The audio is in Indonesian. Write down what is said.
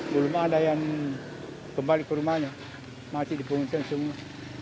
belum ada yang kembali ke rumahnya masih di pengungsian semua